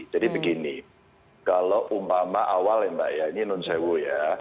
jadi begini kalau umpama awal ya mbak ya ini nunsewu ya